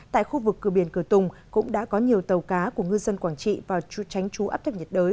tại khu vực cửa biển cửa tùng cũng đã có nhiều tàu cá của ngư dân quảng trị vào trú tránh trú áp thấp nhiệt đới